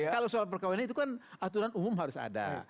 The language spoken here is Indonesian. kalau soal perkawinan itu kan aturan umum harus ada